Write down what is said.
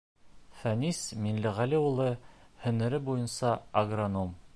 Фәнис Миңлеғәли улы һөнәре буйынса агроном.